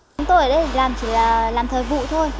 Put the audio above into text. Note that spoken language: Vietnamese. chúng tôi ở đây làm chỉ làm thời vụ thôi